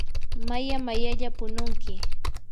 maya mayalla pununki.